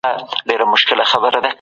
تخنیکي نوښتونه د پانګې ارزښت زیاتوي.